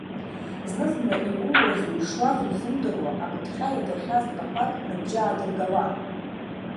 Знызынла иууазу ишуазу узымдыруа, агәыҭҟьа иагахьаз лақәак рыбжьы аадыргауан.